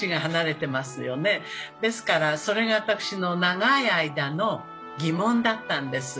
ですからそれが私の長い間の疑問だったんです。